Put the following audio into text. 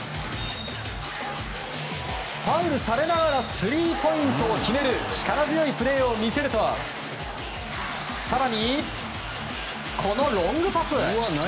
ファウルされながらスリーポイントを決める力強いプレーを見せると更に、このロングパス。